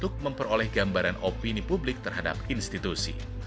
untuk memperoleh gambaran opini publik terhadap institusi